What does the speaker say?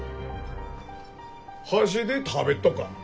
箸で食べっとか？